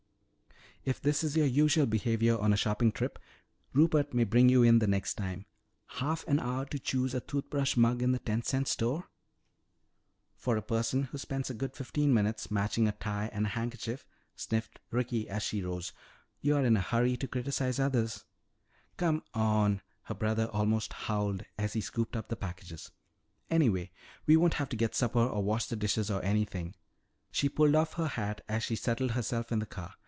"If this is your usual behavior on a shopping trip, Rupert may bring you in the next time. Half an hour to choose a toothbrush mug in the ten cent store!" "For a person who spends a good fifteen minutes matching a tie and a handkerchief," sniffed Ricky as she rose, "you're in a hurry to criticize others." "Come on!" her brother almost howled as he scooped up the packages. "Anyway, we won't have to get supper or wash the dishes or anything." She pulled off her hat as she settled herself in the car.